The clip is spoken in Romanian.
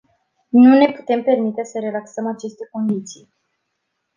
Nu ne putem permite să relaxăm aceste condiții.